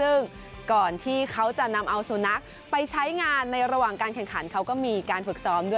ซึ่งก่อนที่เขาจะนำเอาสุนัขไปใช้งานในระหว่างการแข่งขันเขาก็มีการฝึกซ้อมด้วย